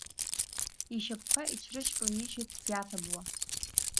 Ишьапқәа иҽрышьклеижьит диаҭабууа…